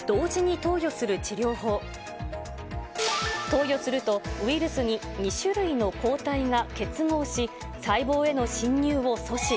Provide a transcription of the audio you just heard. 投与するとウイルスに２種類の交代が結合し、細胞への侵入を阻止。